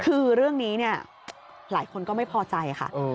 คือเรื่องนี้เนี่ยหลายคนก็ไม่พอใจค่ะ